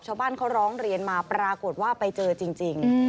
ชาวบ้านเขาร้องเรียนมาปรากฏว่าไปเจอจริง